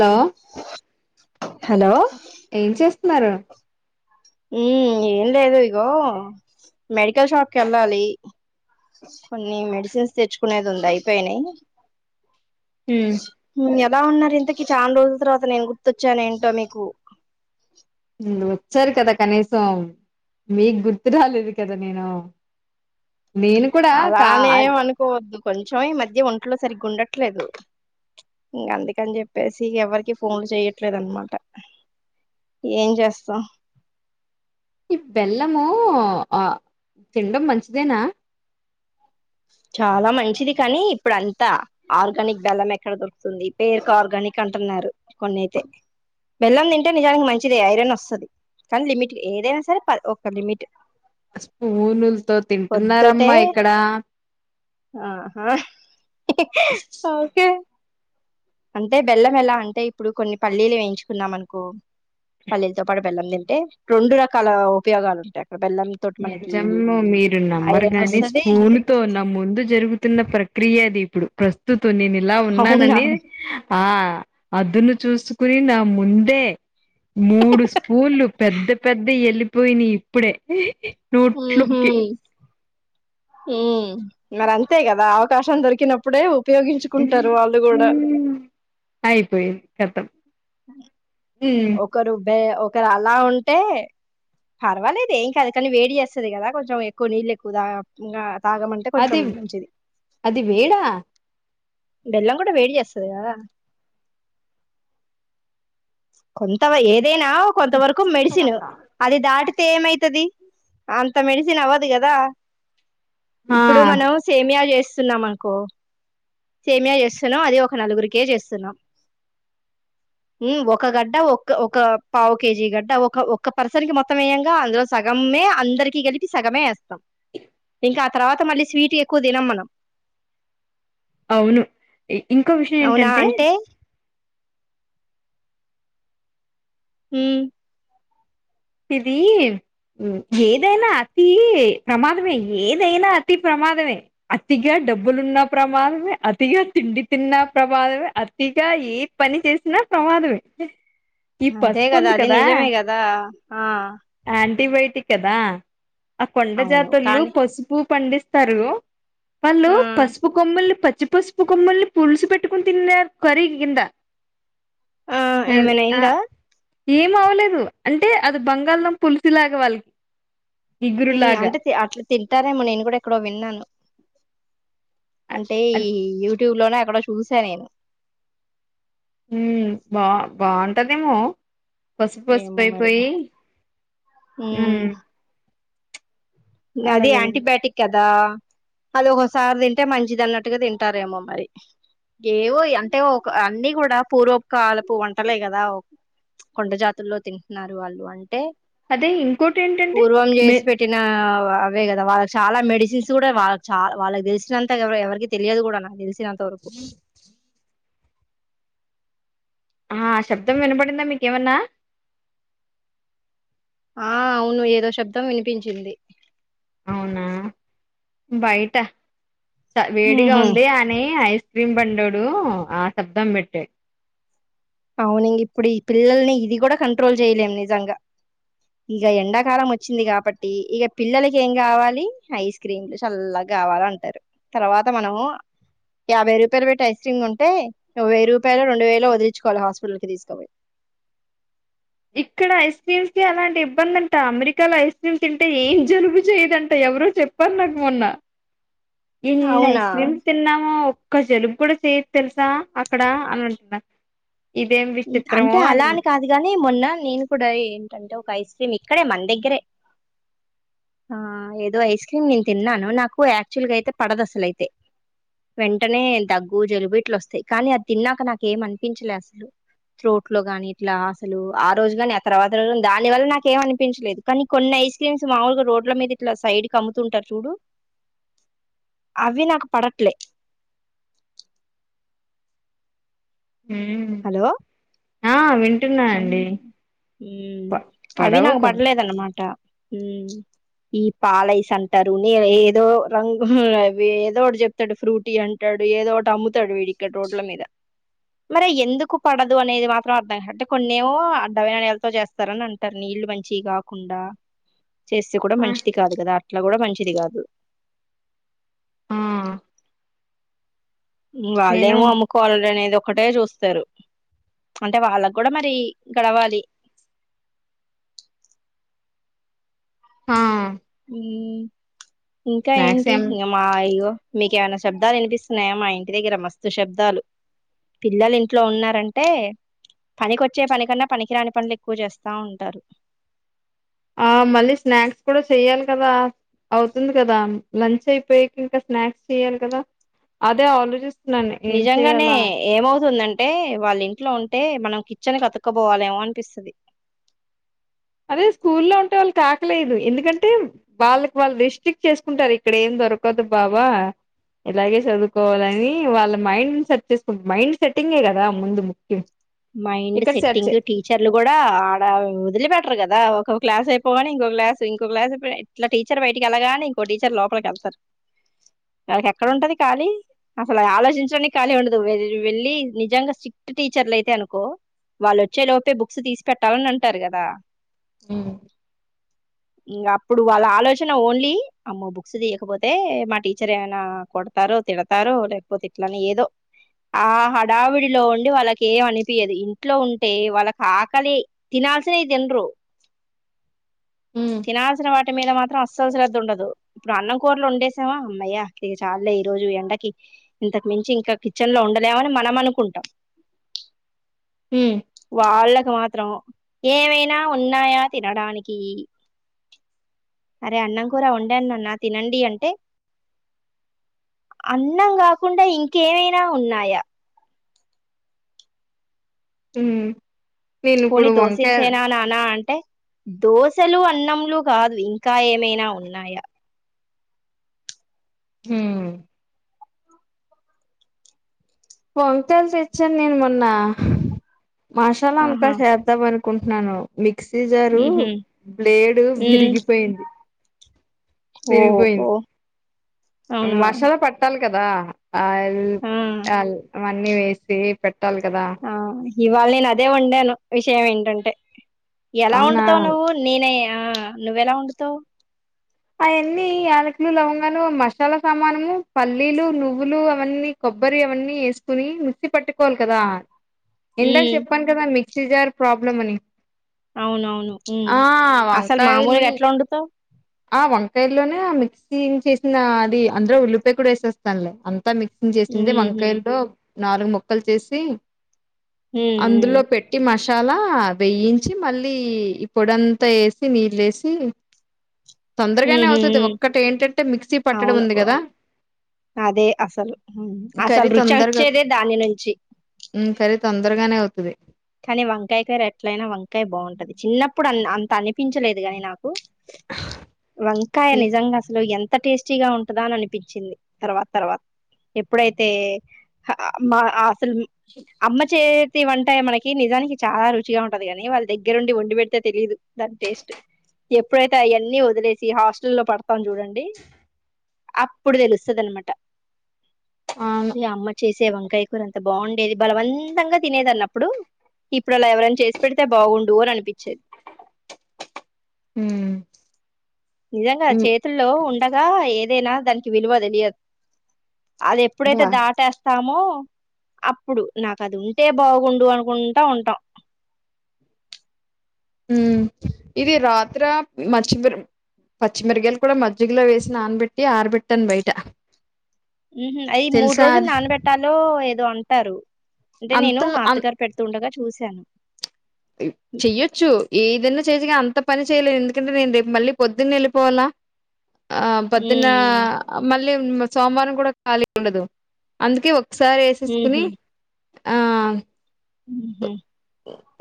త హలో ఏం చేస్తున్నారు ఉ ఏం లేదు ఇగో మెడికల్ షాప్ క వెళ్ళాలి కొన్ని మెడిసిన్స్ తెచ్చుకునేది ఉంది అయిపోయినాయి హ ఎలా ఉన్నారు ఇంతకీ చాలా రోజుల తర్వాత నేను గుర్తొచ్చాను ఏంటో మీకు వచ్చారు కదా కనీసం మీకు గుర్తు రాలేదు కదా నేను నేను కూడా కా అలానే అనుకోవద్దు కొంచెం ఈ మధ్య ఒంట్లో సరిగ్గా ఉండట్లేదు ఇంక అందుకని చెప్పేసి ఎవరికి ఫోన్లు చెయట్లేదునమాట ఏం చేస్తాం ఇ బెల్లముూ ఆ తినడం మంచిదేనా చాలా మంచిది కానీ ఇప్పుడు అంతా ఆర్గానిక్ బెల్లం ఎక్కడ దొరుకుతుంది పేరుక ఆర్గానిక్ అంటున్నారు కొన్నియితే బెల్లం తింటే నిజానికి మంచిది ఐరన్ వస్తుది కానీ లిమిట్ ఏదైనా సరే ఒక లిమిట్ స్పూనులతో తింటున్నారమ్మా ఇక్కడ ఆ హా ఓకే అంటే బెల్లం ఎలా అంటే ఇప్పుడు కొన్ని పల్లీలు వేయించుకున్నాం అనకు పల్లీలతో పాటు బెల్లం తింటే రెండు రకాల ఉపయోగాలు ఉంటాయి అక్కడ బెల్లం తోటి మనకి నిజము మీరు నంమర్ ఐరన్ కాగాని వస్తది స్పూన్ తో నా ముందు జరుగుతున్న ప్రక్రియ అది ఇప్పుడు ప్రస్తు నేను ఇలా అవునా ఉన్నానని ఆ అద్దును చూస్త కుని నా ముందే మూడు స్పూన్లు పెద్ద పెద్ద వెళ్ళిపోయినా ఇప్పుడే నూట్లుూకి ఉ మరి అంతే కదా అవకాశం దొరికినప్పు అయిపోయిేది కతం హ్మ్ ఒకక్కరు భ ఒకరు అలా ఉంటే పర్వాలేదు ఏం కాదు కానీ వేడి చేస్తుంది కదా కొంచెం ఎక్కువ నీళ్ళు ఎక్కువద ఇం అది అది వేడా బెల్లం కూడా వేడి చేస్తుది కదా కొంతవ ఏ అదేనా కొంత వరకు మెడిసిన్ అది దాటి అ ఏమైతుది అంత మెడిసిన్ అవ్వదు కదా ఆ ఇప్పుడు మనం సేమియా చేస్త సున్నామాకో సేమయా చేస్తున్నాం అది ఒక నలుగురు కేజీ చేస్తున్నాం ఒక గడ్డ ఒక ఒక పావు కేజీ గడ్డ ఒక ఒక్క పర్సన్ కి మొత్తం వేయంగా అందులో సగమే అందరికి కలిపి సగమే వేస్తాం ఆ తర్వాత మళ్ళీ స్వీట్ ఎక్కువ తినం మనం అవును ఇంకో విషయం అవునా ఏంటంటే అంటే హ ఇది ఏదైనా అతి ప్రమాదమే ఏదైనా అతి ప్రమాదమే అతిగా డబ్బులున్న ప్రమాదమే అతిగా తిండి తిన్న ప్రమాదమే అతిగా ఏ పని చేసినా ప్రమాదమే ఈ అదే పసుపు కదా ఉంది అది నిజమే గదా ఆ ఆంటీబయోటిక్ అదా ఆ కొండ అవును జాతలు కానీ పసుపు పండిస్తారు వాళ్ళు ఆ పసుపు కొమ్ముల్ని పచ్చ పచ్చి పసుపు కమ్మల్ని పులుసు పెట్టుకుని తిన్నారు కరే కింద ఆ ఏమనా ఆ ఇంద ఏం అవలేదు అంటే అది బంగాళం పులిసిలాగా వాళ్ళకి ఇగురులాగా అంటే అట్లా తింటారేమో నేను కూడా ఎక్కడో విన్నాను అంటే ఈ యూ యూట్యూబ్ లోనే అక్కడ చూసా నేను హ బా బాగుంటదేమో పసుపు పసుపు ఏమో మరి అయిపోయి హ హ్మ్ అది యాంటీబయాటిక్ కదా అది ఒకసారి తింటే మంచిది అన్నట్టుగా తింటారేమో మరి ఏవో అంటే ఒక అన్ని కూడా పూర్వకాలపు వంటలే కదా కొండ జాతుల్లో తింటున్నారు వాళ్ళు అంటే అదే ఇంకోటి ఏంటంటే పూర్వం మే చేసి పెట్టిన అవే కదా వాళ్ళకి చాలా మెడిసిన్స్ కూడా వాళ్ళ చాల వాళ్ళకి తెలిసినంత ఎవ ఎవరికి తెలియదు కూడా నాకు తెలి తంతరపు ఆ శబ్దం వినపడిందా మీకేమన్నా ఆ అవును ఏదో శబ్దం వినిపించింది అవునా బయటా వేడిగా ఊహు ఉంది అని ఐ క్రీమ్ పంండడు ఆ శబ్దం పెట్ట అవును ఇం ఇప్పుడు ఈ పిల్లల్ని ఇది కూడా కంట్రోల్ చేయలేం నిజంగా ఇక ఎండాకాలం వచ్చింది కాబట్టి ఇక పిల్లలకి ఏం కావాలి ఐస్ క్రీమ్లు చల్లగా కావాల అంటారు తర్వాత మనము యాభై రూపాయలు పెట్టి ఐస్ క్రీమ్ ఉంటే వెయ్యి రూపాయలు రెండు వేలు వది చోకోవాల హాస్పిటల్ కి తీసుకపోయి ఇక్కడ ఐస్ క్రీమ్స్ కి అలాంటి ఇబ్బంది అంట, అమెరికాలో ఐస్ క్రీమ్ తింటే ఏం జలుబు చేయదంట, ఎవరో చెప్పారు నాకు మొన్న. ఇల్ అవునా ఐస్ క్రీమ్స్ తిన్నాము ఒక్క జలుబ్ కూడా చేయద్ తెలుసా అక్కడ అని అంటున్నా ఇదేం అంటే విచిత్రమో అలా అని కాదు గాని మొన్న నేను కూడా ఏంటంటే ఒక ఐస్ క్రీమ్, ఇక్కడే మన దగ్గరే ఆ ఏదో ఐస్ క్రీమ్ నేను తిన్నాను. నాకు యాక్చువల్ గా అయితే పడదు అసలయితే వెంటనే దగ్గు, జలుబు ఇట్లు వస్తాయి, కానీ అది తిన్నాక నాకు ఏం అనిపించలే అసలు. త్రోట్ లో కాని ఇట్లా అసలు, ఆ రోజు కాని ఆ తర్వాత రోజు దాని వల్ల నాకు ఏం అనిపించలేదు, కానీ కొన్ని ఐస్ క్రీమ్స్ మామూలుగా రోడ్ల మీద ఇట్లా సైడ్ క అమ్ముతుంటారు, చూడు అవి నాకు పడట్లే. హ్మ్. హలో ఆ విన్ అం ఉమ్ అది పడవు నాకు కొన్ని పడలేదన్నమాట ఉమ్ ఈ పాలైస్ అంటారు నీల ఏదో రంగు అవ్వి ఏదో ఒకటి చెప్తాడు ఫ్రూటీ అంటాడు ఏదో ఒకటి అమ్ముతాడు వీడిక్కడ రోడ్ల మీద మరె ఎందుకు పడదు అనేది మాత్రం అర్థం [unintelligible] కొన్నేమో అడ్డమైన నీళ్ళతో చేస్తారని అంటారు నీళ్లు మంచియి కాకుండా చేస్తే కూడా ఆ మంచిది కాదు కదా అట్లా కూడా మంచిది కాదు ఆ! ఇం నేను వాళ్ళేమో అమ్ముకో వాళ్నేదో ఒక్కటే చూస్తారు అంటే వాళ్ళక్ కూడా మరి గడవాలి హా హ్మ్ ఇంకా స్నాక్స్ ఏంటి ఏం ఇంగ మా ఇగో మీకేమైనా శబ్దాలు వినిపిస్తున్నాయా, మా ఇంటి దగ్గర మస్తు శబ్దాలు పిల్లలు ఇంట్లో ఉన్నారంటే, పనికిొచ్చే పని కన్నా పనికిరాని పనులు ఎక్కువ చేస్తా ఉంటారు. ఆ మళ్ళీ స్నాక్స్ కూడా చెయ్యాలి కదా, అవుతుంది కదా, లంచ్ అయిపోయికి ఇంకా స్నాక్స్ చెయ్యాలి కదా అదే ఆలో చిస్. నిజంగానే ఏమవుతుందన్ టే వాళ్ళింట్లో ఉంటే మనం కిచెన్ కు అతుక్కపోవాలేమో అనిపిస్తది అదే స్కూల్లో ఉంటే వాళ్ళు కాకలెయ్ దు ఎందుకంటే వాళ్ళకి వాళ్ళు రిస్ట్రిక్ట్ చేసుకుంటారు ఇక్కడ ఏం దొరకదు బావా ఇలాగే చదువుకోవాలని వాళ్ళ మైండ్ సెట్ చేసుకుంట మైండ్ సెట్టింగే కదా ముందు ముఖ్యం మైండ్ ఇక్కడ సెట్ చే సెట్టింగ్ టీచర్లు కూడా ఆడ వదిలి పెట్టరు కదా ద ఒకొ క్లాస్ అయిపోగానే ఇంకొక క్లాస్ ఇంకోక క్లాస్ అయిపొ ఇట్లా టీచర్ బయటికి వెళ్ళగానే ఇంకో టీచర్ లోపలికెళ్తారు వాళ్ళకెక్కడుంటది ఖాళీ అసలు ఆలోచించాని ఖాళీ ఉండదు వెళ్లి నిజంగా స్ట్రిక్ట్ టీచర్లు అయి తే అనుకో వాళ్ళొచ్చే లోపే బుక్స్ తీసి పెట్టాలని అంటారు కదా ఉమ్ ఇంగప్పుడు వాళ్ళ ఆలోచన ఓన్లీ అమ్మో బుక్స్ తీయకపోతే మా టీచర్ ఏమైనా కొడతారో తిడతారో లేకపోతే ఇట్లనే ఏదో ఆ హడావిడిలో ఉండి వాళ్ళకి ఏం అనిపియ్యదు ఇంట్లో ఉంటే వాళ్ళకి ఆకలి తినాల్సినవి తినరు ఉమ్ తినాల్సిన వాట్ టి మీద మాత్రం అస్సలు శ్రద్ద ఉండదు ఇప్పుడు అన్నం కూరలు వండేశావా హమ్మయ్య ఇక చాల్లే ఈ రోజు ఎండకి ఇంతకు మించి ఇంకా కిచెన్ లో ఉండలేమని మనం అనుకుంటాం ఉమ్ ఆళ్ళకు మాత్రం ఏమైనా ఉన్నాయా తినడానికి అరే అన్నం కూర వండాం నాన్నా తినండి అంటే అన్నం కాకుండా ఇంకేమైనా ఉన్నాయా ఉమ్మ్ పోని దోసేసేనా నానా అంటే దోశలు అన్నంలు కాదు ఇంకా ఏమైనా ఉన్నాయా హ్మ్ పొంతలు తెచ్చాను నేను మొన్న మషాలంతా ఆహా చేద్దామని కుంటున్నాను మీ క్సిజరు ఉహు బ్లేడు ఉ విరిగిపోయింది ఓహో అవునా మషాల పట్టాలి కదా అల్ ఆ అల్ అవన్నీ వేసి పెట్ ట్టాలి కదా ఆ ఇవాళ నేను అదే వండాను విషయం ఏంటంటే ఎలా అవునా ఉంటుదో నువ్వు నేనే ఆ నువ్వెలా వండుతావు అయన్నీ యలకులు లవంగాలు మషాలా సామానము పల్లీలు నువ్వులు అవన్నీ కొబ్బరి అవన్నీ ఏసుకుని మిక్సి పట్టుకోవాలి కదా ఇందాక ఉమ్ చెప్పాను కదా మీ సిజర్ ప్రాబ్లం అని అవునవును ఉమ్ ఆ అసలు మామూలుగా వంకాయల్ని ఎట్లొండుతావ్ ఆ వంకాయలోనే ఆ మిక్సీ చేసిన అది అందులో ఉల్లిపాయ కూడా వేసేస్తానులే అంత మిక్సింగ్ ఉహు చేసింది వంకాయిల్లో నాలుగు ముక్కలు చేసి ఉమ్ ఉమ్ అందులో పెట్టి మష్ చాలా వేయించి మళ్ళీ ఈ పొడంతా ఏసి నీళ్ ఏసి తొందరగానే ఉహు అవుతది ఉమ్ ఒక్కటి ఏంటంటే మిక్సీ పట్టడం అవును ఉంది కదా, ఓహ్! అదే అసలు ఉమ్ అసలు కర్రీ రుచి తొందరగా వచ్చేదే దాని నుంచి హు కర్రీ తొం తొందరగానే అవుతది కానీ వంకాయ కర్రీ ఎట్లయినా వంకాయ బాగుంటది, చిన్నప్పుడు అ అంత అనిపించలేదు గాని నా. కు వంకాయ ఈ నిజంగా అసలు ఎన్ అంత టేస్టీగా ఉంటదా అని అనిపించింది తర్వాత్ తర్వాత్ ఎప్పుడైతే హా మా త్రమి అమ్మ చే తి వంట య మనకి కి నిజానికి చాలా రుచిగా ఉంటది, గాని వాళ్ దగ్గరుండి వండి పెడితే తెలిదు, దాని టేస్ట్ ఎప్పుడైతే అయన్నీ వదిలేసి హాస్టల్ లో పడ్. తాం చూడండి అప్పుడు తెలుస్తుది అనమాట అవును ఇయా అమ్మా చేస్ చే వంకాయ్ కూర అంత బాగుండేది బలవంతంగా తినేది అన్నప్పుడు ఇప్పుడు అలా ఎవరెన్ చేసి పెడితే బాగుండు అని అనిపిత్ హ్మ నిజంగా చేతుల్లో ఉండగా ఏ ఏదేనా దానికి విలువ తెలియద్ అది ఎప్పుడైతే బా దాటేస్తామో అప్పుడు నాకు అది ఉంటే బాగుండు అనుకుంటా ఉంటాం ఉమ్ ఇది రాత్ర మచ్చి మిర్ప్ పచ్చిమిరగాయలు కూడా మజ్జిగలో వేసి నానబెట్టి ఆరబెట్టాను బయట మ్ హు అయి మూడు తెలుసా రోజులు అది నానబెట్టాలో ఏదో అంట్ టరు అంటే అంత నేను మా అత్తగారు పెడుతుండగా చూస్య ను హ్ చెయొచ్చు ఏదన్న చేజగా అంత పని చేయలేన్ ఎందుకంటే నేను రేపు మళ్ళీ పొద్దున్నే వెళ్ళిపోవాలా ఆ పదన్నా హ్మ్ మల్ లేవ్ ఇంగ సోమవారం కూడా ఖాళీ ఉండదు అందుకే ఒక్ సారి ఏసేసుకుని ఆ హ్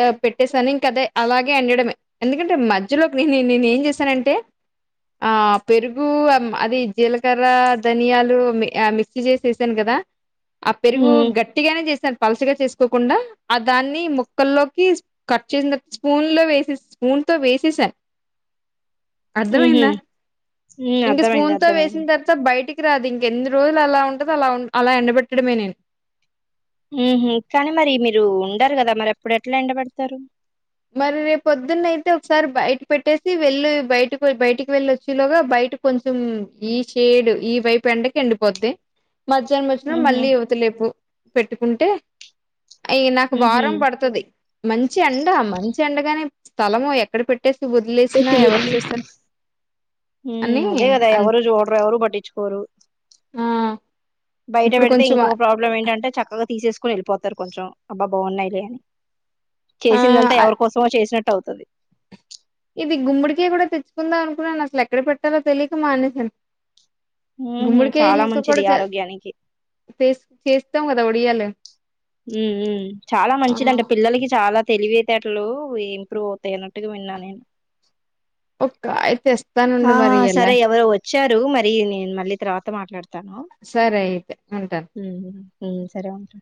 ఆ పెట్టేసాను ఇంకా అదే అలాగే ఏండేడమే ఎందుకంటే మధ్యలోకి నే నే నే నేను ఏం చేశానంటే ఆ పెరుగు అం అది జీలకర్ర ధనియాలు మి ఆ మిక్సీ చేసి యేశాను కదా ఆ పెరుగు హ్మ్ గట్టిగానే చేస్తరు పలుసగా చేసుకోకుండా ఆ దాన్ని ముక్కల్లో కి కట్ చేస్ స్పూన్ లో వేస్ స్పూన్ తో వేసేసేయాలి ఉహు అర్థమైందా హ్మ్ ఇంక అర్థమైంది స్పూన్ తో వేసిన అర్థమైంది తర్వాత బయటికి రాదు ఇంక ఎన్ని రోజులు అలా ఉంటదొ అలా అలా ఎండబెట్టడమే ఊహు కానీ మరి మీరు ఉండరు కదా మరి అప్పుడు ఎట్లా ఎండబెడతారు మరి రేపు పొద్దున్న అయితే ఒకసారి బయట పెట్టేసి వెళ్ళి బయటకి బయటికి వెళ్ళి వచ్చేలోగా బయట కొంచెం ఈ సైడ్ ఈ వైపు ఎండకి ఎండిపోద్ది మధ్యాహ్నం వచ్చినా ఉహు మళ్లీ ఏళ్తలేదు పెట్టుకుంటే అయ్యో నాకు ఉహు వారం పడుతది మంచి ఎండ అమ్మా మంచి ఎండగానే స్థలమే ఎక్కడ పెట్ టేస్ట్ వద్లేసిన ఎవరు చూస్తర్ ఉమ్ అదే కదా ఎవరు చూడ్రు ఎవరు పట్టిచుకోరు ఆ బయట ఇప్పుడు పెడితే కొంచెం ఇంకొక ప్రాబ్లం ఏంటంటే చక్కగా తీసేసుకోని వెళ్ళిపోతారు కొంచెం అబ్బా బాన్నయిలే అని చేసిందంతా ఆ ఎవరి కోసమో చేసినట్ అవుతది ఇది గుమ్ముడికాయ గుడా తెచ్చుకుందాం అనుకున్నాను అసలు ఎక్కడ పెట్టాలో తెలియక మానేస ఉహు గుమ్మడి చాలా కాయల్తో పాటు మంచిది చ ఆరోగ్యానికి చేస్తవ్ గా ఒడియాల ఉ ఉమ్ చాలా ఆ, మంచిదంట పిల్లలకి చాలా తెలివితేటలు ఇంప్రూవ్ అవుతాయిన్నట్టుగా విన్నా నేను గాయితేస్ ఆ సరే ఎవరు వచ్చారు మరి నేను మళ్ళీ తర్వాత మాట్లాడతాను సరే అయితే ఉంటాను హ్ ఉమ్ సరే ఉంటా